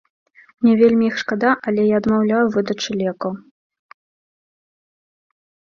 Мне вельмі іх шкада, але я адмаўляю ў выдачы лекаў.